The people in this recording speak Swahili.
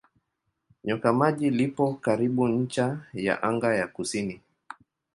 Nyoka Maji lipo karibu ncha ya anga ya kusini.